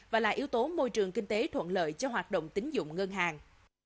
và là yếu tố môi trường kinh tế thuận lợi cho hoạt động tính dụng ngân hàng